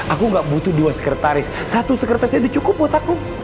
aku gak butuh dua sekretaris satu sekretarisnya udah cukup buat aku